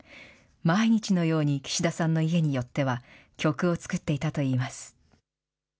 毎日のように岸田さんの家に寄っては、曲を作っていたといいます。